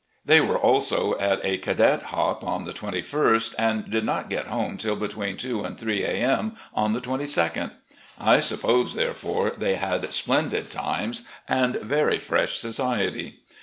They were also at a cadet hop on the 21st, and did not get home till between two and three a. m. on the 2 2d. I suppose, therefore, they had 'splendid times' and very fresh society.